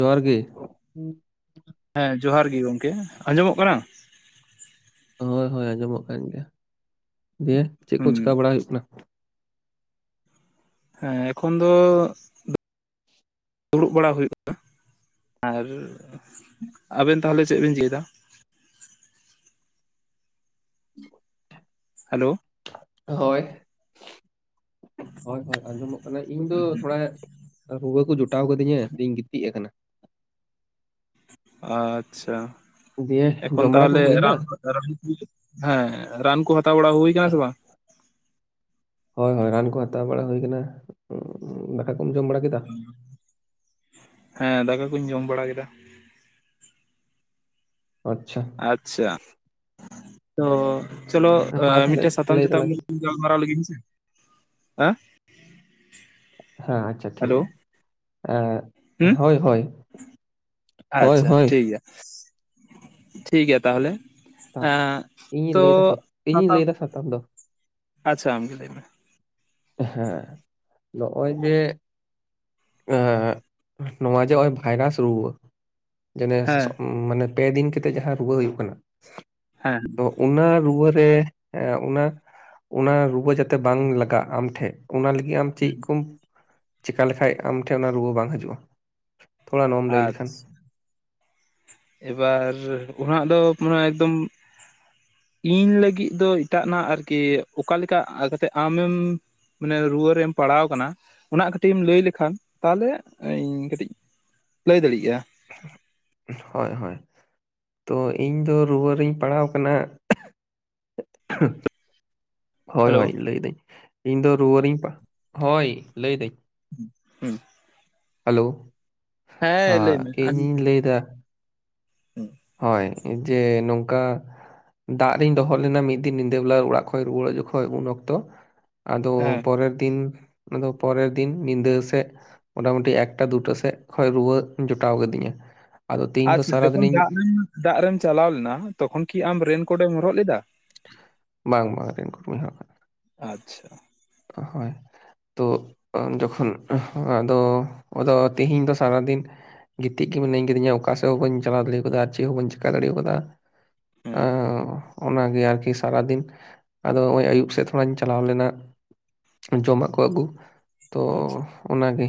ᱡᱚᱦᱟᱨ ᱜᱮ ᱦᱩ ᱦᱮᱸ ᱡᱚᱦᱟᱨ ᱜᱤ ᱜᱚᱝᱠᱮ ᱟᱸᱡᱚᱢᱚᱜ ᱠᱟᱱᱟ᱾ ᱦᱳᱭ ᱦᱳᱭ ᱟᱸᱡᱚᱢᱚᱜ ᱠᱟᱱ ᱜᱮᱭᱟ ᱫᱤᱭᱮ ᱪᱮᱫ ᱠᱚ ᱦᱩᱸ ᱪᱤᱠᱠᱟ ᱵᱟᱲᱟ ᱦᱩᱭᱩᱜ ᱠᱟᱱᱟ᱾ ᱦᱮᱸ ᱮᱠᱷᱚᱱ ᱫᱚ [unintelligible] ᱫᱩᱲᱩᱵ ᱵᱟᱲᱟ ᱦᱩᱭᱩᱜᱼᱟ ᱟᱨ ᱟᱵᱮᱱ ᱛᱟᱦᱞᱮ ᱪᱮᱫ ᱵᱤᱱ ᱪᱮᱠᱟᱫᱟ᱾ [inaudible] ᱦᱟᱞᱳ ᱦᱳᱭ ᱦᱳᱭ ᱦᱳᱭ ᱟᱸᱡᱚᱢᱚᱜ ᱠᱟᱱᱟ ᱤᱧ ᱫᱚ ᱛᱷᱚᱲᱟ ᱨᱩᱣᱟᱹ ᱠᱩ ᱡᱚᱴᱟᱣ ᱠᱟᱫᱤᱧᱟ ᱫᱤᱭᱟᱧ ᱜᱤᱛᱤᱡ ᱟᱠᱟᱱᱟ᱾ ᱟᱪᱪᱷᱟ ᱫᱤᱭᱮ ᱮᱠᱷᱚᱱ ᱡᱚᱢ ᱵᱟᱲᱟ ᱠᱚ ᱛᱟᱦᱚᱞᱮ ᱦᱩᱭᱱᱟ ᱨᱟᱱ ᱫᱚ ᱨᱟᱱ [unintelligible] ᱦᱮᱸ ᱨᱟᱱ ᱠᱚ ᱦᱟᱛᱟᱣ ᱵᱟᱲᱟ ᱦᱩᱭ ᱟᱠᱟᱱᱟ ᱥᱮ ᱵᱟᱝ? ᱦᱳᱭ ᱦᱳᱭ ᱨᱟᱱ ᱠᱚ ᱦᱟᱛᱟᱣ ᱵᱟᱲᱟ ᱦᱩᱭ ᱠᱟᱱᱟ [unintelligible] [unintelligible] ᱡᱚᱢᱲᱟ ᱦᱮᱸ ᱫᱟᱠᱟ ᱠᱩᱧ ᱡᱚᱢ ᱵᱟᱲᱟ ᱠᱮᱫᱟ᱾ ᱟᱪᱪᱷᱟ ᱟᱪᱪᱷᱟ ᱛᱚ ᱪᱚᱞᱚ ᱢᱟ ᱛᱟᱦᱚᱞᱮ ᱢᱤᱫᱴᱮ ᱥᱟᱛᱟᱢ ᱞᱟᱹᱭ ᱪᱮᱛᱟᱢ ᱛᱟᱞᱟᱝ ᱜᱟᱞᱢᱟᱨᱟᱣ ᱞᱤᱜᱤᱧ ᱥᱮ ᱟ ᱦᱮᱸ ᱟᱪᱪᱷᱟ ᱴᱷᱤᱠ ᱦᱮᱞᱳ ᱜᱮᱭᱟ ᱮ ᱦᱩᱸ ᱦᱳᱭ ᱦᱳᱭ ᱦᱳᱭ ᱟᱪᱪᱷᱟ ᱦᱳᱭ ᱴᱷᱤᱠ ᱜᱮᱭᱟ ᱴᱷᱤᱠ ᱜᱮᱭᱟ ᱛᱟᱦᱞᱮ᱾ ᱮ ᱤᱧᱤᱧ ᱛᱚ ᱞᱟᱹᱭᱫᱟ ᱥᱟ ᱤᱧᱤᱧ ᱞᱟᱹᱭᱫᱟ ᱥᱟᱛᱟᱢ ᱫᱚ ᱟᱪᱪᱷᱟ ᱟᱢᱜᱮ ᱞᱟᱹᱭ ᱢᱮ᱾ ᱦᱮᱸ ᱱᱚᱜᱼᱚᱭ ᱡᱮ ᱟᱸ ᱱᱚᱣᱟ ᱡᱮ ᱱᱚᱜᱼᱚᱭ ᱵᱷᱟᱭᱨᱟᱥ ᱨᱩᱣᱟᱹ᱾ ᱦᱮᱸ [unintelligible] ᱢᱟᱱᱮ ᱯᱮ ᱫᱤᱱ ᱛᱷᱮᱠᱮ ᱡᱟᱦᱟᱸ ᱨᱩᱣᱟᱹ ᱦᱩᱭᱩᱜ ᱠᱟᱱᱟ᱾ ᱦᱮᱸ ᱛᱚ ᱚᱱᱟ ᱨᱩᱣᱟᱹ ᱨᱮ ᱮ ᱚᱱᱟ ᱚᱱᱟ ᱨᱩᱣᱟᱹ ᱡᱟᱛᱮ ᱵᱟᱝ ᱞᱟᱜᱟᱜ ᱟᱢᱴᱷᱮᱜ ᱚᱱᱟ ᱞᱟᱹᱜᱤᱫ ᱟᱢ ᱪᱮᱜ ᱠᱚᱢ ᱪᱤᱠᱟ ᱞᱮᱠᱟᱪ ᱟᱢ ᱴᱷᱮᱜ ᱚᱱᱟ ᱨᱩᱣᱟᱹ ᱵᱟᱝ ᱦᱤᱡᱩᱜᱼᱟ᱾ ᱛᱷᱳᱲᱟ ᱱᱚᱣᱟᱢ ᱞᱟᱹᱭ ᱞᱮᱠᱷᱟᱱ ᱟᱪᱪᱷᱟ ᱮᱵᱟᱨ ᱩᱱᱟᱹᱜ ᱫᱚ ᱢᱟᱱᱮ ᱮᱠᱫᱚᱢ ᱤᱧ ᱞᱟᱹᱜᱤᱫ ᱫᱚ ᱮᱴᱟᱜᱱᱟᱜ ᱟᱨᱠᱤ ᱚᱠᱟ ᱞᱮᱠᱟ ᱠᱟᱛᱮ ᱟᱢᱮᱢ ᱢᱟᱱᱮ ᱨᱩᱣᱟᱹᱨᱮᱢ ᱯᱟᱲᱟᱣ ᱠᱟᱱᱟ ᱚᱱᱟ ᱠᱟᱹᱴᱤᱜ ᱮᱢ ᱞᱟᱹᱭ ᱞᱮᱠᱷᱟᱱ ᱛᱟᱦᱚᱞᱮ ᱤᱧ ᱠᱟᱹᱴᱤᱡ ᱞᱟᱹᱭ ᱫᱟᱲᱮᱜᱼᱟ᱾ ᱦᱚᱭ ᱦᱚᱭ ᱛᱚ ᱤᱧ ᱫᱚ ᱨᱩᱣᱟᱹᱨᱤᱧ ᱯᱟᱲᱟᱣ ᱠᱟᱱᱟ᱾ [inaudible] ᱦᱳᱭ ᱦᱮᱞᱳ ᱦᱳᱭ ᱞᱟᱹᱭᱫᱟᱹᱧ ᱤᱧ ᱫᱚ ᱨᱩᱣᱤᱧ ᱦᱳᱭ ᱞᱟᱹᱭᱫᱟᱹᱧ᱾ ᱦᱩᱸ ᱦᱮᱞᱳ ᱦᱮᱸ ᱞᱟᱹᱭ ᱟᱸ ᱢᱮ ᱟᱸᱡᱚᱢ ᱤᱧᱤᱧ ᱞᱟᱹᱭ ᱮᱫᱟ᱾ [inaudible] ᱦᱳᱭ ᱡᱮ ᱱᱚᱝᱠᱟ ᱫᱟᱜ ᱨᱤᱧ ᱫᱚᱦᱚ ᱞᱮᱱᱟ ᱢᱤᱫ ᱫᱤᱱ ᱧᱤᱫᱟᱹ ᱵᱮᱞᱟ ᱚᱲᱟᱜ ᱠᱷᱚᱡ ᱨᱩᱣᱟᱹᱲ ᱦᱮᱡ ᱡᱚᱠᱷᱚᱡ ᱩᱱ ᱚᱠᱛᱚ ᱦᱮᱸ ᱟᱫᱚ ᱯᱚᱨᱮᱨ ᱫᱤᱱ, ᱟᱫᱚ ᱯᱚᱨᱮᱨ ᱫᱤᱱ ᱧᱤᱫᱟᱹ ᱥᱮᱜ ᱢᱚᱴᱟᱢᱩᱴᱤ ᱮᱠᱴᱟ ᱫᱩᱴᱟ ᱥᱮᱫ ᱠᱷᱚᱱ ᱨᱩᱣᱟᱹ ᱡᱚᱴᱟᱣ ᱠᱟᱫᱤᱧᱟ᱾ ᱟᱪᱪᱷᱟ ᱡᱚᱠᱷᱚᱱ [unintelligible] ᱫᱟᱜ ᱨᱮᱢ ᱪᱟᱞᱟᱣ ᱞᱮᱱᱟ ᱛᱚᱠᱷᱚᱱ ᱠᱤ ᱟᱢ ᱨᱮᱱᱠᱳᱴ ᱮᱢ ᱦᱚᱨᱚᱜ ᱞᱮᱫᱟ? ᱵᱟᱝ ᱵᱟᱝ, ᱨᱮᱱᱠᱳᱴ ᱵᱟᱧ ᱦᱚᱨᱚᱜ ᱠᱟᱫᱟ᱾ ᱟᱪᱪᱷᱟ ᱦᱚᱭ ᱛᱚ ᱡᱚᱠᱷᱚᱱ ᱟᱫᱚ, ᱟᱫᱚ ᱛᱮᱦᱤᱧ ᱫᱚ ᱥᱟᱨᱟᱫᱤᱱ ᱜᱤᱛᱤᱡ ᱜᱮ ᱢᱤᱱᱟᱧ ᱠᱟᱫᱤᱧᱟ, ᱚᱠᱟ ᱥᱮᱜ ᱦᱚᱸ ᱵᱟᱹᱧ ᱪᱟᱞᱟᱣ ᱫᱟᱲᱮᱣ ᱠᱟᱫᱟ ᱟᱨ ᱪᱮᱜ ᱦᱚᱸ ᱵᱟᱹᱧ ᱪᱤᱠᱟ ᱫᱟᱲᱮᱣ ᱠᱟᱫᱟ᱾ ᱦᱩᱸ ᱚᱻ ᱚᱱᱟᱜᱮ ᱟᱨᱠᱤ ᱥᱟᱨᱟᱫᱤᱱ, ᱟᱫᱚ ᱱᱚᱜ-ᱚᱭ ᱟᱭᱩᱵ ᱥᱮᱫ ᱛᱷᱚᱲᱟᱧ ᱪᱟᱞᱟᱣ ᱞᱮᱱᱟ᱾ ᱡᱚᱢᱟᱜ ᱠᱚ ᱟᱹᱜᱩ ᱛᱚ ᱟᱪᱪᱷᱟ ᱚᱱᱟᱜᱮ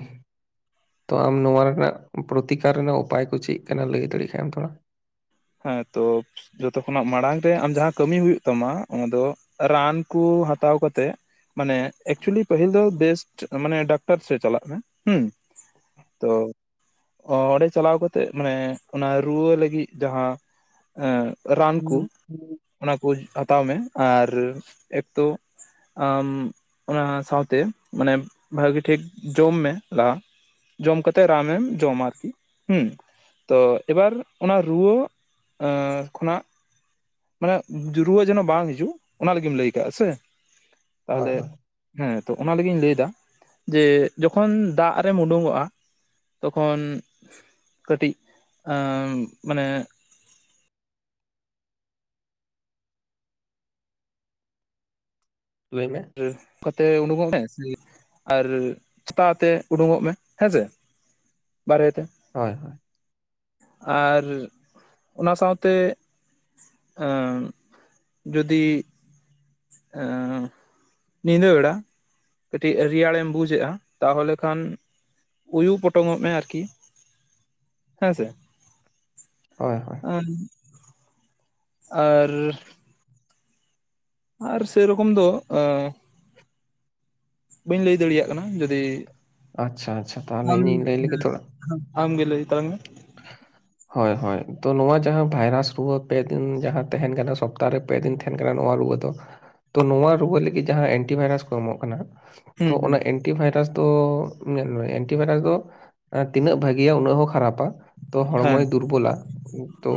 ᱛᱚ, ᱟᱢ ᱱᱚᱣᱟ ᱨᱮᱱᱟᱜ ᱯᱨᱚᱛᱤᱠᱟᱨ ᱨᱮᱱᱟᱜ ᱩᱯᱟᱭ ᱠᱚ ᱪᱮᱜ ᱠᱟᱱᱟ ᱞᱟᱹᱭ ᱫᱟᱲᱮᱭᱟ ᱠᱷᱟᱱᱮᱢ ᱛᱷᱚᱲᱟ? ᱦᱮᱸ ᱛᱚ ᱡᱚᱛᱚ ᱠᱷᱚᱱᱟᱜ ᱢᱟᱲᱟᱝ ᱨᱮ ᱟᱢ ᱡᱟᱦᱟᱸ ᱠᱟᱹᱟᱢᱤ ᱦᱩᱭᱩᱜ ᱛᱟᱢᱟ, ᱚᱱᱟᱫᱚ ᱨᱟᱱᱠᱩ ᱦᱟᱛᱟᱣ ᱠᱟᱛᱮᱜ ᱢᱟᱱᱮ ᱮᱠᱪᱩᱭᱮᱞᱤ ᱯᱟᱹᱦᱤᱞ ᱫᱚ ᱵᱮᱥᱴ, ᱢᱟᱱᱮ ᱰᱟᱠᱛᱟᱨ ᱥᱮᱜ ᱪᱟᱞᱟᱜ ᱢᱮ, ᱦᱩᱸ ᱛᱚ ᱚᱸᱰᱮ ᱪᱟᱞᱟᱣ ᱠᱟᱛᱮᱜ ᱢᱟᱱᱮ ᱚᱱᱟ ᱨᱩᱣᱟᱹ ᱞᱟᱹᱜᱤᱫ ᱡᱟᱦᱟᱸ ᱮᱸ ᱨᱟᱱ ᱠᱩ, ᱚᱱᱟ ᱠᱩ ᱦᱟᱛᱟᱣ ᱢᱮ, ᱟᱨ ᱮᱠᱛᱳ ᱟᱢ ᱚᱱᱟ ᱥᱟᱶᱛᱮ ᱢᱟᱱᱮ, ᱵᱷᱟᱜᱤ ᱴᱷᱤᱠ ᱡᱚᱢ ᱢᱮ ᱞᱟᱦᱟ᱾ ᱡᱚᱢ ᱠᱟᱛᱮᱜ ᱨᱟᱱᱮᱢ ᱡᱚᱢᱟ, ᱟᱨᱠᱤ ᱦᱩᱸ ᱛᱚ ᱮᱵᱟᱨ ᱚᱱᱟ ᱨᱩᱣᱟᱹ ᱟᱸ ᱠᱷᱚᱱᱟᱜ ᱢᱟᱱᱮᱜ ᱨᱩᱣᱟᱹ ᱡᱮᱱᱚ ᱵᱟᱝ ᱦᱤᱡᱩᱜ, ᱚᱱᱟ ᱞᱟᱹᱜᱤᱜ ᱮᱢ ᱞᱟᱹᱭ ᱠᱟᱜ-ᱟ ᱥᱮ, ᱦᱳᱭ ᱛᱟᱦᱞᱮ ᱦᱳᱭ ᱦᱮᱸ ᱛᱚ ᱚᱱᱟ ᱞᱟᱹᱜᱤᱫᱧ ᱞᱟᱹᱭ ᱮᱫᱟ, ᱡᱮ ᱡᱚᱠᱷᱚᱱ ᱫᱟᱜ ᱨᱮᱢ ᱳᱰᱩᱝᱚᱜᱼᱟ ᱛᱚᱠᱷᱚᱱ ᱠᱟᱹᱴᱤᱡ ᱟᱻ ᱢᱟᱱᱮ, ᱞᱟᱹᱭ ᱢᱮ? [unintelligible] ᱠᱟᱛᱮ ᱩᱰᱩᱜᱚᱜ ᱢᱮ ᱥᱮ ᱟᱨ ᱪᱷᱟᱛᱟ ᱟᱛᱮ ᱩᱰᱩᱜᱚᱜ ᱢᱮ ᱦᱮᱸᱥᱮ᱾ ᱵᱟᱨᱦᱮ ᱛᱮ᱾ ᱦᱚᱭ ᱦᱚᱭ ᱟᱨ, ᱚᱱᱟ ᱥᱟᱶᱛᱮ ᱟᱻ ᱡᱩᱫᱤ ᱮᱻ ᱧᱤᱫᱟᱹ ᱵᱮᱲᱟ ᱠᱟᱹᱴᱤᱡ ᱨᱮᱭᱟᱲᱮᱢ ᱵᱩᱡᱮᱜᱼᱟ, ᱛᱟᱦᱚᱞᱮ ᱠᱷᱟᱱ ᱩᱭᱩ ᱯᱚᱴᱚᱢᱚᱜ ᱢᱮ ᱟᱨᱠᱤ ᱦᱮᱸ ᱥᱮ᱾ ᱦᱳᱭ ᱦᱳᱭ, ᱦᱮ, ᱟᱨ ᱟᱨ ᱥᱮᱨᱚᱠᱚᱢ ᱫᱚ, ᱟᱻ ᱵᱟᱹᱧ ᱞᱟᱹᱭ ᱫᱟᱲᱮᱭᱟᱜ ᱠᱟᱱᱟ, ᱡᱩᱫᱤ ᱟᱪᱪᱷᱟ ᱟᱪᱪᱷᱟ, ᱛᱟᱦᱚᱞᱮ ᱤᱧᱤᱧ ᱞᱟᱹᱭ ᱞᱮᱜᱮ ᱛᱷᱚᱲᱟ᱾ ᱟᱢ ᱜᱮ ᱞᱟᱹᱭ ᱛᱟᱞᱟᱝ ᱢᱮ, ᱦᱳᱭ ᱦᱳᱭ, ᱛᱚ ᱱᱚᱣᱟ ᱡᱟᱦᱟᱸ ᱵᱷᱟᱭᱨᱟᱥ ᱨᱩᱣᱟᱹ, ᱯᱮᱫᱤᱱ ᱡᱟᱦᱟᱸ ᱛᱟᱦᱮᱱ ᱠᱟᱱᱟ ᱥᱚᱯᱛᱟᱨᱮ ᱯᱮ ᱫᱤᱱ ᱛᱟᱦᱮᱱ ᱠᱟᱱᱟ ᱱᱚᱣᱟ ᱨᱩᱣᱟᱹ ᱫᱚ᱾ ᱛᱚ ᱱᱚᱣᱟ ᱨᱩᱣᱟᱹ ᱞᱟᱹᱜᱤᱫ ᱡᱟᱦᱟᱸ ᱮᱱᱴᱤᱵᱟᱭᱨᱟᱥ ᱠᱚ ᱮᱢᱚᱜ ᱠᱟᱱᱟ ᱛᱚ ᱦᱩᱸ ᱦᱩᱸ ᱚᱱᱟ ᱮ ᱮᱱᱴᱤ ᱵᱷᱟᱭᱨᱟᱥ ᱫᱚ ᱧᱮᱞᱢᱮ ᱮᱱᱴᱤ ᱵᱷᱟᱭᱨᱟᱥ ᱫᱚ ᱛᱤᱱᱟᱹᱜ ᱵᱷᱟᱜᱤᱭᱟ, ᱩᱱᱟᱹᱜ ᱦᱚᱸ ᱠᱷᱟᱨᱟᱯᱟ᱾ ᱛᱚ ᱦᱮᱸ ᱦᱚᱲᱢᱚᱭ ᱫᱩᱨᱵᱚᱞᱟ ᱛᱚ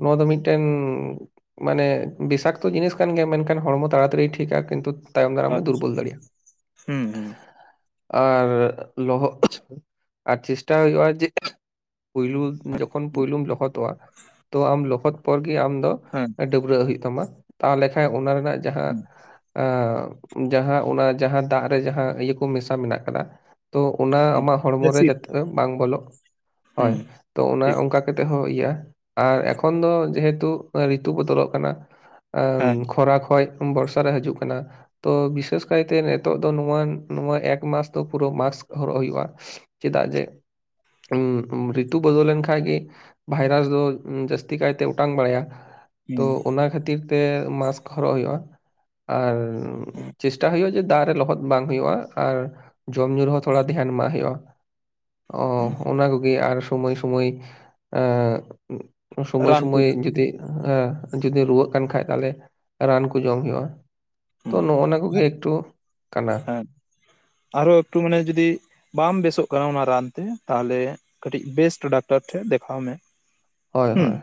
ᱱᱚᱣᱟ ᱫᱚ ᱢᱤᱫᱴᱮᱱ ᱢᱟᱱᱮ ᱵᱤᱥᱟᱠᱛᱚ ᱡᱤᱱᱤᱥ ᱠᱟᱱ ᱜᱮᱭᱟ ᱢᱮᱱᱠᱷᱟᱱ ᱦᱚᱲᱢᱚ ᱛᱟᱲᱟᱛᱟᱲᱤ ᱴᱷᱤᱠᱟ ᱠᱤᱱᱛᱩᱛ ᱛᱟᱭᱚᱢ ᱫᱟᱨᱟᱢᱮ ᱟᱪᱪᱷᱟ ᱫᱩᱨᱵᱚᱞ ᱫᱟᱲᱮᱭᱟᱜ-ᱟ ᱦᱩᱸ ᱦᱩᱸ ᱾ ᱟᱨ ᱞᱚᱦᱚᱜ ᱟᱪᱷᱤᱢ ᱟᱨ ᱪᱮᱥᱴᱟ ᱦᱩᱭᱩᱜᱼᱟ ᱡᱮ ᱯᱩᱭᱞᱩ ᱡᱚᱠᱷᱚᱱ ᱯᱩᱭᱞᱩᱢ ᱞᱚᱦᱚᱫᱚᱜᱼᱟ ᱛᱚ ᱟᱢ ᱞᱚᱦᱚᱫ ᱯᱚᱨ ᱜᱮ ᱟᱢ ᱫᱚ ᱦᱮᱸ ᱰᱟᱹᱵᱽᱨᱟᱹᱜ ᱦᱩᱭᱩᱜ ᱛᱟᱢᱟ ᱛᱟᱦᱚᱞᱮ ᱠᱷᱟᱱ ᱚᱱᱟ ᱨᱮᱱᱟᱜ ᱡᱟᱦᱟᱸ ᱦᱮᱸ ᱟᱸᱜᱵ ᱡᱟᱦᱟᱸ ᱚᱱᱟ ᱡᱟᱦᱟᱸ ᱫᱟᱜ ᱨᱮ ᱡᱟᱦᱟᱸ ᱤᱭᱟᱹ ᱠᱚ ᱢᱮᱥᱟ ᱢᱮᱱᱟᱜ ᱠᱟᱫᱟ ᱛᱚ ᱚᱱᱟ ᱦᱮᱸ ᱟᱢᱟᱜ ᱦᱚᱲᱢᱚᱨᱮ ᱡᱟᱹᱥᱤᱫ ᱡᱟᱛᱮ ᱵᱟᱝ ᱵᱚᱞᱚᱜ ᱦᱳᱭ ᱦᱩᱸ ᱛᱚ ᱚᱱᱟ ᱴᱷᱤᱠ ᱚᱱᱠᱟ ᱠᱟᱛᱮᱜ ᱦᱚᱸ ᱤᱭᱟᱹᱜᱼᱟ ᱟᱨ ᱮᱠᱷᱚᱱ ᱫᱚ ᱡᱮᱦᱮᱛᱩ ᱨᱤᱛᱩ ᱵᱚᱫᱚᱞᱚᱜ ᱠᱟᱱᱟ ᱟᱹᱵ ᱦᱮᱸ ᱠᱷᱚᱨᱟ ᱠᱷᱚᱡ ᱵᱚᱨᱥᱟ ᱨᱮ ᱦᱟᱡᱩᱜ ᱠᱟᱱᱟ ᱛᱚ ᱵᱤᱥᱮᱥ ᱠᱟᱭᱛᱮ ᱱᱤᱛᱚᱜ ᱫᱚ ᱱᱚᱣᱟ ᱱᱚᱣᱟ ᱮᱠᱢᱟᱥ ᱫᱚ ᱯᱩᱨᱟᱹ ᱢᱟᱠᱥ ᱦᱚᱨᱚᱜ ᱦᱩᱭᱩᱜᱼᱟ ᱪᱮᱫᱟᱜ ᱡᱮ ᱟᱹᱵ ᱩᱸ ᱨᱤᱛᱩ ᱵᱚᱫᱚᱞ ᱞᱮᱱᱠᱷᱟᱡ ᱜᱮ ᱵᱷᱟᱭᱨᱟᱥ ᱫᱚ ᱡᱟᱹᱥᱛᱤ ᱠᱟᱭᱛᱮ ᱚᱴᱟᱝ ᱵᱟᱲᱟᱭᱟ ᱛᱚ ᱦᱩᱸ ᱚᱱᱟ ᱠᱷᱟᱹᱛᱤᱨ ᱛᱮ ᱢᱟᱥᱠ ᱦᱚᱨᱚᱜ ᱦᱩᱭᱩᱜᱼᱟ᱾ ᱟᱨ ᱪᱮᱥᱴᱟ ᱦᱩᱭᱩᱜᱼᱟ ᱡᱮ ᱫᱟᱜ ᱨᱮ ᱞᱚᱦᱚᱫ ᱵᱟᱝ ᱦᱩᱭᱩᱜᱼᱟ ᱟᱨ ᱡᱚᱢ ᱧᱩ ᱨᱮᱦᱚᱸ ᱛᱷᱚᱲᱟ ᱫᱷᱮᱭᱟᱱ ᱮᱢᱟᱜ ᱦᱩᱭᱩᱜᱼᱟ [inaudible] ᱚ ᱚᱱᱟ ᱠᱚᱜᱮ ᱟᱨ ᱥᱳᱚᱢᱚᱭ ᱥᱳᱢᱚᱭ ᱟᱹᱜ ᱩᱵ ᱥᱳᱢᱚᱭ ᱨᱟᱱ ᱠᱚ ᱥᱳᱢᱚᱭ ᱡᱩᱫᱤ ᱟᱸᱜ ᱡᱩᱫᱤ ᱨᱩᱣᱟᱹᱜ ᱠᱟᱱ ᱠᱷᱟᱡ ᱛᱟᱦᱚᱞᱮ ᱨᱟᱱ ᱠᱚ ᱡᱚᱢ ᱦᱩᱭᱩᱜᱼᱟ᱾ ᱛᱚ ᱱᱚᱜᱼᱚ ᱱᱚᱶᱟ ᱠᱚᱜᱮ ᱮᱠᱴᱩ ᱠᱟᱱᱟ ᱦᱮᱸ ᱟᱨᱚ ᱮᱠᱴᱩ ᱢᱟᱱᱮ ᱡᱩᱫᱤ ᱵᱟᱢ ᱵᱮᱥᱚᱜ ᱠᱟᱱᱟ ᱚᱱᱟ ᱨᱟᱱᱛᱮ ᱛᱟᱦᱞᱮ ᱠᱟᱹᱴᱤᱡ ᱵᱮᱥᱴ ᱰᱟᱠᱛᱟᱨ ᱴᱷᱮᱱ ᱫᱮᱠᱷᱟᱣ ᱢᱮ ᱦᱳᱭ ᱦᱩᱸ ᱦᱳᱭ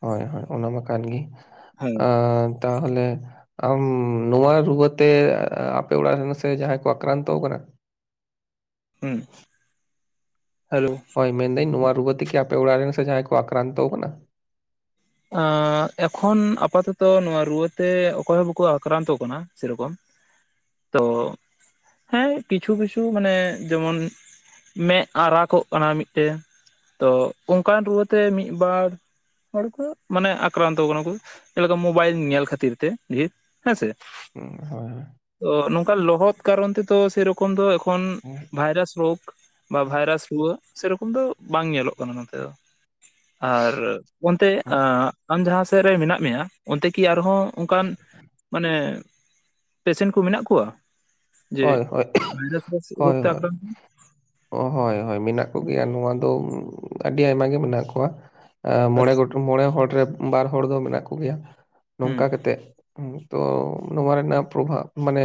ᱦᱳᱭ ᱦᱳᱭ ᱚᱱᱟᱢᱟ ᱠᱟᱱ ᱜᱮ ᱦᱮᱸ ᱛᱟᱦᱚᱞᱮ ᱟᱢ ᱱᱚᱣᱟ ᱨᱩᱣᱟᱹᱛᱮ ᱟᱯᱮ ᱚᱲᱟᱜ ᱨᱮᱱ ᱥᱮ ᱡᱟᱦᱟᱸᱭ ᱠᱚ ᱟᱠᱨᱟᱱᱛᱚ ᱠᱟᱱᱟ ᱦᱩᱸ ᱦᱮᱞᱳ ᱦᱳᱭ ᱢᱮᱱᱫᱟᱹᱧ ᱱᱚᱣᱟ ᱨᱩᱣᱟᱹᱛᱮ ᱠᱤ ᱟᱯᱮ ᱚᱲᱟᱜ ᱨᱮᱱ ᱥᱮ ᱡᱟᱦᱟᱸᱭ ᱠᱚ ᱟᱠᱨᱟᱱᱛᱚ ᱠᱟᱱᱟ ᱮᱠᱷᱚᱱ ᱟᱯᱟᱛᱚᱛᱚ ᱱᱚᱣᱟ ᱨᱩᱣᱟᱹᱛᱮ ᱚᱠᱚᱭ ᱦᱚᱸ ᱵᱟᱠᱚ ᱟᱠᱨᱟᱱᱛᱚ ᱠᱟᱱᱟ ᱥᱮᱨᱚᱠᱚᱢ ᱛᱚ ᱦᱮᱸ ᱠᱤᱪᱷᱩ ᱠᱤᱪᱷᱩ ᱢᱟᱱᱮ ᱡᱮᱢᱚᱱ ᱢᱮᱫ ᱟᱨᱟᱜᱚᱜ ᱠᱟᱱᱟ ᱢᱤᱫᱴᱮᱱ ᱛᱚ ᱚᱱᱠᱟᱱ ᱨᱩᱣᱟᱹᱛᱮ ᱢᱤᱫ ᱵᱟᱨ ᱦᱚᱲ ᱠᱩ ᱢᱟᱱᱮ ᱟᱠᱨᱟᱱᱛᱚ ᱠᱟᱱᱟ ᱠᱚ ᱡᱮᱞᱮᱠᱟ ᱢᱳᱵᱟᱭᱤᱞ ᱧᱮᱞ ᱠᱷᱟᱹᱛᱤᱨ ᱛᱮ ᱰᱷᱮᱨ ᱦᱮᱸᱥᱮ ᱦᱩᱸ, ᱛᱚ ᱱᱚᱝᱠᱟ ᱞᱚᱦᱚᱫ ᱠᱟᱨᱚᱱ ᱛᱮᱛᱚ ᱥᱮᱨᱚᱠᱚᱢ ᱫᱚ ᱮᱠᱷᱚᱱ ᱦᱮᱸ ᱵᱷᱟᱭᱨᱟᱥ ᱨᱳᱜᱽ ᱵᱟ ᱵᱷᱟᱭᱨᱟᱥ ᱨᱩᱣᱟᱹ ᱥᱮᱨᱚᱠᱚᱢ ᱫᱚ ᱵᱟᱝ ᱧᱮᱞᱚᱜ ᱠᱟᱱᱟ ᱱᱚᱛᱮ ᱫᱚ ᱟᱨ ᱚᱱᱛᱮ ᱟᱢ ᱡᱟᱦᱟᱸ ᱥᱮᱫ ᱨᱮ ᱢᱮᱱᱟᱜ ᱢᱮᱭᱟ ᱚᱱᱛᱮ ᱠᱤ ᱟᱨᱦᱚᱸ ᱚᱱᱠᱟᱱ ᱢᱟᱱᱮ ᱯᱮᱥᱮᱱ ᱠᱚ ᱢᱮᱱᱟᱜ ᱠᱚᱣᱟ ᱡᱮ ᱦᱳᱭ ᱦᱳᱭ ᱵᱷᱟᱭᱨᱟᱥ ᱨᱳᱜ ᱛᱮ ᱟᱠᱨᱟᱱᱛ ᱚ ᱦᱳᱭ ᱦᱳᱭ ᱢᱮᱱᱟᱜ ᱠᱚᱜᱮᱭᱟ ᱱᱚᱣᱟ ᱫᱚ ᱟᱹᱰᱤ ᱟᱭᱢᱟ ᱜᱮ ᱢᱮᱱᱟᱜ ᱠᱚᱣᱟ ᱢᱚᱬᱮ ᱟᱪᱪᱷᱟ ᱜᱚᱴ ᱢᱚᱬᱮ ᱦᱚᱲ ᱨᱮ ᱵᱟᱨ ᱦᱚᱲ ᱫᱚ ᱢᱮᱱᱟᱜ ᱠᱚ ᱜᱮᱭᱟ ᱦᱩᱸ ᱱᱚᱝᱠᱟ ᱠᱟᱛᱮᱜ ᱛᱚ ᱱᱚᱣᱟ ᱨᱮᱱᱟᱜ ᱯᱨᱚᱵᱵᱽ ᱢᱟᱱᱮ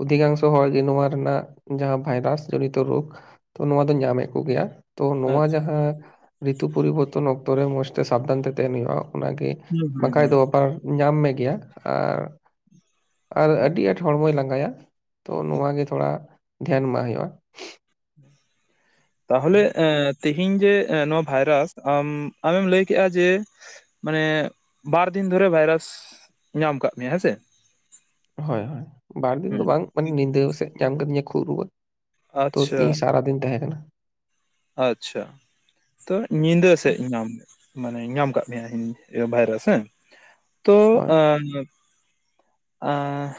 ᱚᱫᱠᱟᱝᱥᱚ ᱛᱚ ᱦᱚᱲ ᱜᱮ ᱱᱚᱣᱟ ᱨᱮᱱᱟᱜ ᱡᱟᱦᱟᱸ ᱵᱷᱟᱭᱨᱟᱥ ᱡᱚᱲᱤᱛᱚ ᱨᱳᱜᱽ ᱛᱚ ᱱᱚᱣᱟ ᱫᱚ ᱧᱟᱢᱮᱫ ᱠᱚ ᱜᱮᱭᱟ ᱛᱚ ᱱᱚᱣᱟ ᱟᱪᱪᱷᱟ ᱡᱟᱦᱟᱸ ᱨᱤᱛᱩ ᱯᱚᱨᱤᱵᱚᱨᱛᱚᱱ ᱚᱠᱛᱚ ᱨᱮ ᱢᱚᱸᱡᱽ ᱛᱮ ᱥᱟᱵᱫᱷᱟᱱ ᱛᱮ ᱛᱟᱦᱮᱱ ᱦᱩᱭᱩᱜᱼᱟ ᱚᱱᱟᱜᱮ ᱦᱩᱸ ᱵᱟᱝ ᱦᱩᱸ ᱠᱷᱟᱡ ᱫᱚ ᱦᱩᱸ ᱚᱯᱟᱨ ᱧᱟᱢ ᱢᱮ ᱜᱮᱭᱟ ᱟᱨ ᱟᱨ ᱟᱹᱰᱤ ᱟᱸᱴ ᱦᱚᱲᱢᱚᱭ ᱞᱟᱸᱜᱟᱭᱟ ᱾ ᱛᱚ ᱱᱚᱶᱟ ᱜᱮ ᱛᱷᱚᱲᱟ ᱫᱷᱮᱭᱟᱱ ᱢᱟᱜ ᱦᱩᱭᱩᱜᱼᱟ ᱾ ᱛᱟᱦᱚᱞᱮ ᱮᱸᱻ ᱛᱤ ᱦᱤᱧ ᱡᱮ ᱱᱚᱣᱟ ᱵᱷᱟᱭᱨᱟᱥ ᱟᱢ ᱟᱢᱮᱢ ᱞᱟᱹᱭ ᱠᱮᱜᱼᱟ ᱡᱮ ᱢᱟᱱᱮ ᱵᱟᱨ ᱫᱤᱱ ᱫᱷᱚᱨᱮ ᱵᱷᱟᱭᱨᱟᱥ ᱧᱟᱢ ᱠᱟᱜ ᱢᱮᱭᱟ ᱦᱮᱸᱥᱮ ᱾ ᱦᱚᱭ ᱦᱚᱭ ᱵᱟᱨ ᱫᱤᱱ ᱫᱚ ᱵᱟᱝ ᱢᱟᱱᱮ ᱧᱤᱫᱟᱹ ᱠᱚᱥᱮᱜ ᱧᱟᱢ ᱠᱟᱫᱤᱧᱟ ᱠᱷᱩᱜ ᱨᱩᱣᱟᱹ ᱾ ᱛᱚ ᱟᱪᱪᱷᱟ ᱛᱤᱧ ᱥᱟᱨᱟ ᱫᱤᱱ ᱛᱟᱦᱮᱸ ᱠᱟᱱᱟ ᱾ ᱟᱪᱪᱷᱟ ᱾ ᱛᱚ ᱧᱤᱫᱟᱹ ᱥᱮᱫ ᱧᱟᱢ ᱢᱟᱱᱮ ᱧᱟᱢ ᱟᱠᱟᱫ ᱢᱮᱭᱟ ᱵᱷᱟᱭᱨᱟᱥ ᱦᱮᱸ ᱾ ᱛᱚ ᱦᱳᱭ ᱟᱸᱻ ᱟᱸ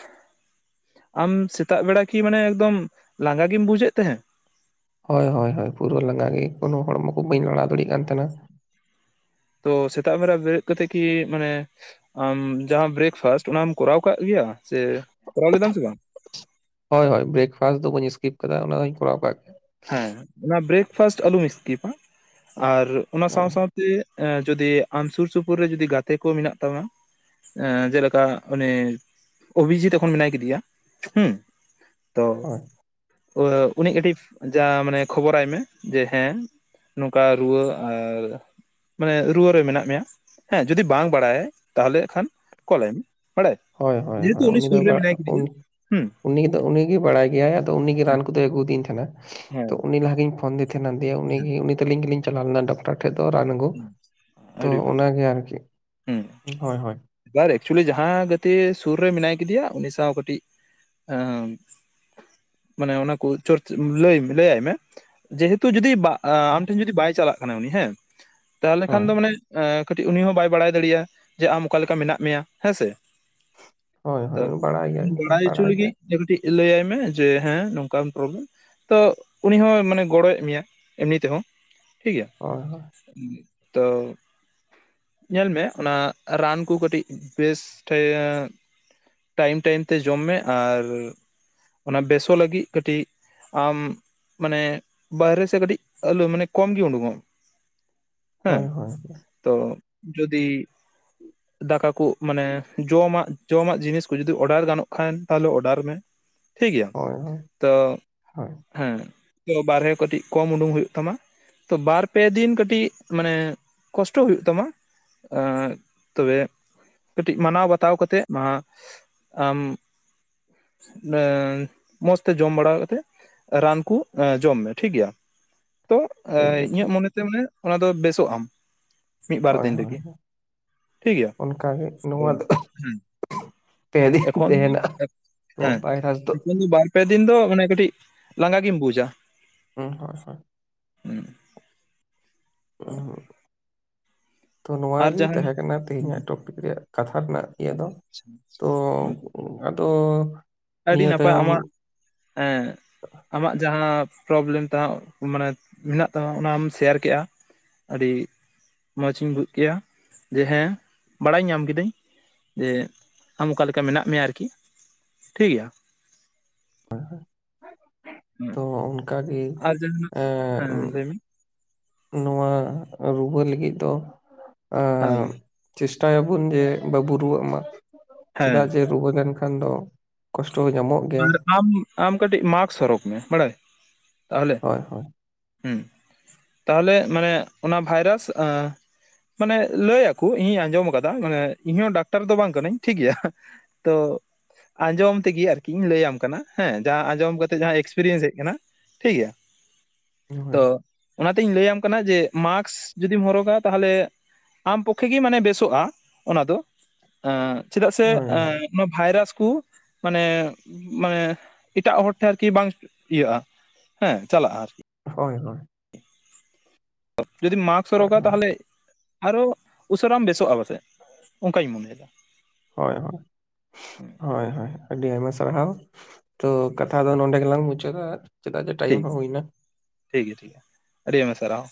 ᱟᱢ ᱥᱮᱛᱟᱜ ᱵᱮᱲᱟ ᱠᱤ ᱢᱟᱱᱮ ᱮᱠᱫᱚᱢ ᱞᱟᱸᱜᱟ ᱜᱮᱢ ᱵᱩᱡᱮᱫ ᱛᱟᱦᱮᱸ ᱾ ᱦᱚᱭ ᱦᱚᱭ ᱦᱚᱭ ᱯᱩᱨᱟᱹ ᱞᱟᱸᱜᱟ ᱜᱮ ᱠᱳᱱᱳ ᱦᱚᱲᱢᱚ ᱠᱚ ᱵᱟᱹᱧ ᱞᱟᱲᱟᱣ ᱫᱟᱲᱤᱜ ᱠᱟᱱ ᱛᱟᱦᱮᱱᱟ ᱾ ᱛᱚ ᱥᱮᱛᱟᱜ ᱵᱮᱲᱟ ᱵᱮᱨᱮᱫ ᱠᱟᱛᱮ ᱠᱤ ᱢᱟᱱᱮ ᱟᱢ ᱡᱟᱦᱟᱸ ᱵᱨᱮᱠᱯᱷᱟᱥᱴ ᱚᱱᱟᱢ ᱠᱚᱨᱟᱣ ᱠᱟᱜ ᱜᱮᱭᱟ ᱥᱮ ᱠᱚᱨᱟᱣ ᱞᱮᱫᱟᱢ ᱥᱮ ᱵᱟᱝ? ᱦᱚᱭ ᱦᱚᱭ ᱵᱨᱮᱠᱯᱷᱟᱥᱴ ᱫᱚ ᱵᱟᱹᱧ ᱤᱥᱠᱤᱯ ᱠᱟᱫᱟ ᱚᱱᱟ ᱦᱚᱸᱧ ᱠᱚᱨᱟᱣ ᱠᱟᱜ ᱜᱮᱭᱟ ᱾ ᱦᱮᱸ ᱚᱱᱟ ᱵᱨᱮᱠᱯᱷᱟᱥᱴ ᱟᱞᱚᱢ ᱤᱥᱠᱤᱯᱟ ᱟᱨ ᱚᱱᱟ ᱥᱟᱶ ᱜᱮᱭᱟ ᱥᱟᱶ ᱛᱮ ᱡᱩᱫᱤ ᱟᱢ ᱥᱩᱨ ᱥᱩᱯᱩᱨ ᱨᱮ ᱡᱩᱫᱤ ᱜᱟᱛᱮ ᱠᱚ ᱢᱮᱱᱟᱜ ᱛᱟᱢᱟ ᱡᱮᱞᱮᱠᱟ ᱚᱱᱤ ᱚᱵᱷᱤᱡᱤᱛ ᱮᱠᱷᱚᱱ ᱢᱮᱱᱟᱭ ᱠᱮᱫᱤᱭᱟ ᱦᱮᱸ᱾ ᱛᱚ ᱦᱳᱭ ᱩᱦ ᱩᱱᱤᱜ ᱠᱟᱹᱴᱤᱯ ᱡᱟ ᱢᱟᱱᱮ ᱠᱷᱚᱵᱚᱨᱟᱭ ᱢᱮ ᱡᱮ ᱦᱮᱸ ᱱᱚᱝᱠᱟ ᱨᱩᱣᱟᱹ ᱟᱨ ᱢᱟᱱᱮ ᱨᱩᱣᱟᱹ ᱨᱮ ᱢᱮᱱᱟᱜ ᱢᱮᱭᱟ ᱦᱮᱸ ᱡᱩᱫᱤ ᱵᱟᱝ ᱵᱟᱲᱟᱭᱟᱭ ᱛᱟᱦᱚᱞᱮ ᱠᱷᱟᱱ ᱠᱚᱞᱟᱭ ᱢᱮ ᱾ ᱦᱚᱲᱮ ᱦᱳᱭ ᱦᱳᱭ ᱦᱳᱭ ᱡᱮᱦᱩᱛᱩ ᱩᱱᱤ ᱥᱩᱨ ᱨᱮ ᱢᱮᱱᱟᱭ ᱠᱮᱫᱮᱭᱟ ᱦᱮᱸ ᱾ ᱩᱱᱤᱫᱚ ᱩᱱᱤᱜᱮ ᱵᱟᱲᱟᱭ ᱜᱮᱭᱟᱭ ᱟᱫᱚ ᱩᱱᱤᱜᱮ ᱨᱟᱱ ᱠᱚᱫᱚᱭ ᱟᱹᱜᱩᱫᱤᱧ ᱛᱟᱦᱮᱸᱱᱟ ᱦᱮᱸ ᱛᱚ ᱩᱱᱤ ᱞᱟᱦᱟᱜᱤᱧ ᱯᱷᱳᱱ [unintelligible] ᱩᱱᱤ ᱩᱱᱤ ᱛᱞᱤᱧ ᱜᱮᱞᱤᱧ ᱪᱟᱞᱟᱣ ᱞᱮᱱᱟ ᱰᱚᱠᱴᱚᱨ ᱴᱷᱮᱱ ᱫᱚ ᱨᱟᱱ ᱟᱹᱜᱩ ᱦᱮᱸ ᱛᱚ ᱟᱹᱰᱤ ᱵᱷᱟᱹᱜᱤ ᱚᱱᱟᱜᱮ ᱟᱨᱠᱤ ᱦᱩᱸ ᱦᱚᱭ ᱦᱚᱭ ᱾ ᱮᱵᱟᱨ ᱮᱠᱪᱩᱭᱮᱞᱤ ᱡᱟᱦᱟᱸ ᱜᱟᱛᱮ ᱥᱩᱨ ᱨᱮ ᱢᱮᱱᱟᱭ ᱠᱮᱫᱮᱭᱟ ᱩᱱᱤ ᱥᱟᱶ ᱠᱟᱹᱴᱤᱡ ᱟᱹᱻ ᱢᱟᱱᱮ ᱚᱱᱟ ᱠᱚ ᱪᱚᱨᱪ ᱞᱟᱹᱭ ᱞᱟᱹᱭ ᱟᱭ ᱢᱮ ᱾ ᱡᱮᱦᱩᱛᱩ ᱡᱩᱫᱤ ᱵᱟ ᱟ ᱟᱢ ᱴᱷᱮᱱ ᱡᱩᱫᱤ ᱵᱟᱭ ᱪᱟᱞᱟᱜ ᱠᱟᱱᱟ ᱩᱱᱤ ᱦᱮᱸ ᱛᱟᱦᱚᱞᱮ ᱠᱷᱟᱱ ᱦᱳᱭ ᱫᱚ ᱢᱟᱱᱮ ᱟᱹᱻ ᱠᱟᱹᱴᱤᱡ ᱩᱱᱤ ᱦᱚᱸ ᱵᱟᱭ ᱵᱟᱲᱟᱭ ᱫᱟᱲᱮᱭᱟᱜᱼᱟ ᱡᱮ ᱟᱢ ᱚᱠᱟ ᱞᱮᱠᱟ ᱢᱮᱱᱟᱜ ᱢᱮᱭᱟ ᱦᱮᱸᱥᱮ ᱾ ᱦᱳᱭ ᱛᱚ ᱦᱳᱭ ᱵᱟᱲᱟᱭ ᱜᱮᱭᱟᱭ ᱩᱱᱤ ᱦᱚᱸᱭ ᱵᱟᱲᱟᱭ ᱦᱚᱪᱚ ᱞᱟᱹᱜᱤᱫ ᱜᱮᱭᱟ ᱠᱟᱹᱴᱤᱡ ᱞᱟᱹᱭᱟᱭ ᱢᱮ ᱡᱮ ᱦᱮᱸ ᱱᱚᱝᱠᱟᱱ ᱯᱨᱚᱵᱞᱮᱢ ᱾ ᱛᱚ ᱩᱱᱤ ᱦᱚᱸ ᱢᱟᱱᱮ ᱜᱚᱲᱚᱭ ᱮᱢᱮᱭᱟ ᱮᱢᱱᱤ ᱛᱮᱦᱚᱸ ᱴᱷᱤᱠ ᱜᱮᱭᱟ ᱾ ᱦᱚᱭ ᱦᱚᱭ ᱾ ᱛᱚᱻ ᱧᱮᱞ ᱢᱮ ᱚᱱᱟ ᱨᱟᱱ ᱠᱩ ᱠᱟᱹᱴᱤᱡ ᱵᱮᱥ ᱴᱷᱮᱜ ᱴᱟᱭᱤᱢ ᱴᱟᱭᱤᱢ ᱛᱮ ᱡᱚᱢ ᱢᱮ ᱟᱨ ᱚᱱᱟ ᱵᱮᱥᱚᱜ ᱞᱟᱹᱜᱤᱫ ᱠᱟᱹᱴᱤᱡ ᱟᱢ ᱢᱟᱱᱮ ᱵᱟᱦᱨᱮ ᱥᱮᱜ ᱠᱟᱹᱴᱤᱡ ᱟᱞᱚ ᱢᱟᱱᱮ ᱠᱚᱢ ᱜᱤ ᱩᱰᱩᱝᱚᱜ ᱦᱚᱭ ᱦᱚᱭ ᱾ ᱛᱚ ᱡᱩᱫᱤ ᱫᱟᱠᱟ ᱠᱩ ᱢᱟᱱᱮ ᱡᱚᱢᱟᱜ ᱡᱚᱢᱟᱜ ᱡᱤᱱᱤᱥ ᱠᱚ ᱡᱩᱫᱤ ᱚᱰᱟᱨ ᱜᱟᱱᱚᱜ ᱠᱷᱟᱱ ᱛᱟᱦᱚᱞᱮ ᱚᱰᱟᱨ ᱢᱮ ᱾ ᱴᱷᱤᱠ ᱜᱮᱭᱟ ᱦᱳᱭ ᱦᱳᱭ ᱛᱚ ᱦᱳᱭ ᱦᱮᱸ ᱛᱚ ᱵᱟᱨᱦᱮ ᱠᱟᱹᱴᱤᱡ ᱠᱚᱢ ᱩᱸᱰᱩᱠ ᱦᱩᱭᱩᱜ ᱛᱟᱢᱟ ᱛᱚ ᱵᱟᱨ ᱯᱮ ᱫᱤᱱ ᱠᱟᱹ ᱴᱤᱡ ᱢᱟᱱᱮ ᱠᱚᱥᱴᱚ ᱦᱩᱭᱩᱜ ᱛᱟᱢᱟ ᱟᱹᱻ ᱛᱚᱵᱮ ᱠᱟᱹᱴᱤᱡ ᱢᱟᱱᱟᱣ ᱵᱟᱛᱟᱣ ᱠᱟᱛᱮᱜ ᱢᱟ ᱟᱢ ᱮᱸᱻ ᱢᱚᱸᱡᱽ ᱛᱮ ᱡᱚᱢ ᱵᱟᱲᱟ ᱠᱟᱛᱮᱫ ᱨᱟᱱ ᱠᱩ‌ ᱮᱻ ᱡᱚᱢ ᱢᱮ ᱴᱷᱤᱠ ᱜᱮᱭᱟ ᱾ ᱛᱚ ᱴᱷᱤᱠ ᱜᱮᱭᱟ ᱤᱧᱟᱹᱜ ᱴᱷᱤᱠ ᱢᱚᱱᱮᱛᱮ ᱢᱟᱱᱮ ᱚᱱᱟ ᱫᱚ ᱵᱮᱥᱚᱜ ᱟᱢ᱾ ᱢᱤᱫ ᱵᱟᱨ ᱦᱳᱭ ᱫᱤᱱ ᱦᱳᱭ ᱛᱮᱜᱮ ᱴᱷᱤᱠᱜᱭᱟ ᱚᱱᱠᱟᱜᱮ ᱱᱚᱣᱟ ᱦᱮᱸ ᱫᱚ ᱦᱩᱸ᱾ ᱯᱮ ᱫᱤᱱ ᱮᱠᱷᱚᱱ ᱛᱟᱦᱮᱱᱟ ᱱᱚᱣᱟ ᱦᱮᱸ ᱵᱷᱟᱭᱨᱟᱥ ᱮᱠᱷᱚᱱ ᱫᱚ ᱵᱟᱨ ᱯᱮ ᱫᱤᱱ ᱫᱚ ᱢᱟᱱᱮ ᱠᱟᱹᱴᱤᱡ ᱞᱟᱸᱜᱟ ᱜᱮᱢ ᱵᱩᱡᱟ᱾ ᱦᱩᱸ ᱦᱳᱭ ᱦᱳᱭ᱾ ᱦᱮᱸ [unintelligible] ᱛᱚ ᱟᱨ ᱱᱚᱣᱟᱜᱤ ᱡᱟᱦᱟᱱᱟᱜ ‌ᱛᱟᱦᱮᱸ ᱠᱟᱱᱟ ᱛᱮᱦᱮᱸᱧᱟᱜ ᱴᱚᱯᱤᱠ ᱨᱮᱭᱟᱜ ᱠᱟᱛᱷᱟ ᱨᱮᱱᱟᱜ ᱤᱭᱟᱹ ᱫᱚ᱾ ᱛᱚ ᱟᱫᱚ ᱟᱹᱰᱤ ᱱᱤᱭᱟᱹ ᱱᱟᱯᱟᱭ ᱛᱟᱭᱚᱢ ᱟᱢᱟᱜ ᱮᱸᱜ ᱟᱢᱟᱜ ᱡᱟᱦᱟᱸ ᱯᱨᱚᱵᱞᱮᱢ ᱛᱟᱦᱮᱸ ᱢᱟᱱᱮ ᱢᱮᱱᱟᱜ ᱛᱟᱢᱟ ᱚᱱᱟᱢ ᱥᱮᱭᱟᱨ ᱠᱮᱜᱼᱟ, ᱟᱹᱰᱤ ᱢᱚᱸᱪ ᱤᱧ ᱵᱩᱡ ᱠᱮᱭᱟ ᱡᱮ ᱦᱮᱸ ᱵᱟᱲᱟᱭ ᱧᱟᱢ ᱠᱤᱫᱟᱹᱧ ᱡᱮ ᱟᱢ ᱚᱠᱟ ᱞᱮᱠᱟ ᱢᱮᱱᱟᱜ ᱢᱮᱭᱟ ᱟᱨᱠᱤ᱾ ᱴᱷᱤᱠ ᱜᱮᱭᱟ? ᱦᱮᱸ ᱛᱚ ᱚᱱᱠᱟ ᱜᱮ ᱟᱨ ᱡᱟᱦᱟᱱᱟᱜ ᱦᱮᱸ ᱮᱸᱜ ᱞᱟᱹᱭ ᱢᱮ ᱱᱚᱣᱟ ᱨᱩᱣᱟᱹ ᱞᱟᱹᱜᱤᱫ ᱫᱚ ᱮᱸᱜ ᱛᱟᱦᱚᱞᱮ ᱪᱮᱥᱴᱟᱭᱟᱵᱚᱱ ᱡᱮ ᱵᱟᱵᱩ ᱨᱩᱣᱟᱹᱜ ᱢᱟ ᱦᱮᱸ ᱪᱮᱫᱟᱜ ᱡᱮ ᱨᱩᱣᱟᱹ ᱞᱮᱱᱠᱷᱟᱱ ᱠᱷᱟᱱ ᱫᱚ ᱠᱚᱥᱴᱚ ᱧᱟᱢᱚᱜ ᱜᱮᱭᱟ ᱟᱨ ᱟᱢ ᱟᱢ ᱠᱟᱹᱴᱤᱡ ᱢᱟᱠᱥ ᱦᱚᱨᱚᱜ ᱢᱮ ᱵᱟᱲᱟᱭ ᱛᱟᱦᱚᱞᱮ ᱦᱳᱭ ᱦᱳᱭ ᱦᱩᱸ ᱛᱟᱦᱞᱮ ᱢᱟᱱᱮ ᱚᱱᱟ ᱵᱷᱟᱭᱨᱟᱥ ᱟᱸ ᱢᱟᱱᱮ ᱞᱟᱹᱭ ᱟᱠᱩ ᱤᱧᱤᱧ ᱟᱸᱡᱚᱢ ᱠᱟᱫᱟ ᱢᱟᱱᱮ ᱤᱧᱦᱚᱸ ᱰᱟᱠᱛᱟᱨ ᱫᱚ ᱵᱟᱝ ᱠᱟᱹᱱᱟᱹᱧ ᱴᱷᱤᱠ ᱜᱮᱭᱟ, ᱛᱚ ᱟᱸᱡᱚᱢ ᱛᱮᱜᱮ ᱟᱨ ᱠᱤ ᱞᱟᱹᱭᱟᱢ ᱠᱟᱱᱟ, ᱦᱮᱸ ᱡᱟᱦᱟᱸ ᱟᱸᱡᱚᱢ ᱠᱟᱛᱮᱜ ᱡᱟᱦᱟᱸ ᱮᱠᱥᱯᱮᱨᱤᱭᱮᱱᱥ ᱦᱮᱡ ᱟᱠᱟᱱᱟ ᱴᱷᱤᱠᱜᱮᱭᱟ᱾ ᱦᱳᱭ ᱛᱚ ᱚᱱᱟᱛᱤᱧ ᱞᱟᱹᱭᱟᱢ ᱠᱟᱱᱟ ᱡᱮ ᱢᱟᱠᱥ ᱡᱚᱫᱤᱢ ᱦᱚᱨᱚᱜᱟ ᱛᱟᱦᱞᱮ ᱟᱢ ᱯᱚᱠᱠᱷᱮ ᱜᱮ ᱢᱟᱱᱮ ᱵᱮᱥᱚᱜᱼᱟ ᱚᱱᱟ ᱫᱚ᱾ ᱟᱸ ᱪᱮᱫᱟᱜ ᱥᱮ ᱦᱳᱭ ᱦᱳᱭ ᱮᱸ ᱚᱱᱟ ᱵᱷᱟᱭᱨᱟᱥ ᱠᱚ ᱢᱟᱱᱮ ᱢᱟᱱᱮ ᱮᱴᱟᱜ ᱦᱚᱲ ᱴᱷᱮᱱ ᱟᱨᱠᱤ ᱵᱟᱝ ᱤᱭᱟᱹᱜᱼᱟ ᱦᱮᱸ ᱪᱟᱞᱟᱜᱼᱟ ᱟᱨᱠᱤ᱾ ᱦᱳᱭ ᱦᱳᱭ᱾ ᱡᱩᱫᱤ ᱢᱟᱠᱥ ᱦᱳᱭ ᱦᱚᱨᱚᱜᱟ ᱦᱳᱭ ᱛᱟᱦᱚᱞᱮ ᱟᱨᱚ ᱩᱥᱟᱹᱨᱟᱢ ᱵᱮᱥᱚᱜᱼᱟ ᱯᱟᱥᱮᱡ ᱚᱱᱠᱟᱧ ᱢᱚᱱᱮᱭᱫᱟ᱾ ᱦᱳᱭ ᱦᱳᱭ ᱦᱳᱭ ᱦᱳᱭ ᱟᱹᱰᱤ ᱟᱭᱢᱟ ᱥᱟᱨᱦᱟᱣ᱾ ᱛᱚ ᱠᱟᱛᱷᱟ ᱫᱚ ᱱᱚᱰᱮ ᱜᱮᱞᱟᱝ ᱢᱩᱪᱟᱹᱫᱟ ᱪᱮᱫᱟᱜ ᱡᱮ ᱴᱟᱭᱤᱢ ᱴᱷᱤᱠ ᱦᱚᱸ ᱦᱩᱭᱱᱟ᱾ ᱴᱷᱤᱠ ᱜᱮᱭᱟ ᱴᱷᱤᱠ ᱜᱮᱭᱟ ᱟᱹᱰᱤ ᱟᱣᱢᱟ ᱥᱟᱨᱦᱟᱣ᱾